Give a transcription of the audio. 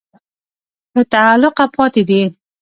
له تعقله پاتې دي